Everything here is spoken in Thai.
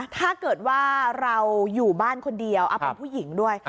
ถ้าเกิดว่าเราอยู่บ้านคนเดียวเป็นผู้หญิงด้วย